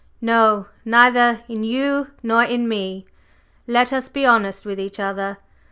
No, neither in you nor in me! Let us be honest with each other.